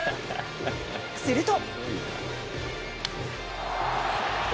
すると。